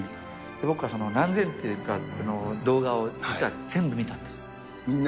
僕は何千という動画を実は全部見たんです。